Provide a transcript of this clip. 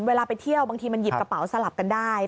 เวลาไปเที่ยวบางทีมันหยิบกระเป๋าสลับกันได้